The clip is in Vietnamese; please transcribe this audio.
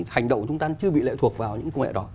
hành động của chúng ta chưa bị lệ thuộc vào những công nghệ đó